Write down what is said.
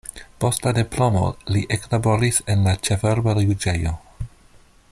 Post la diplomo li eklaboris en la ĉefurba juĝejo.